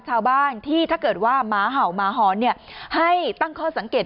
ชาวบ้านที่ถ้าเกิดว่าม้าเหาม้าฮอนเนี่ยให้ตั้งข้อสังเกต